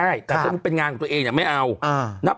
พี่โอ๊คบอกว่าเขินถ้าต้องเป็นเจ้าภาพเองเนี่ยไม่ไปร่วมงานคนอื่นอะได้